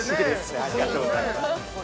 ありがとうございます。